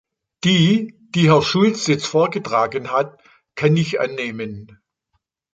Die, die Herr Schulz jetzt vorgetragen hat, kann ich annehmen.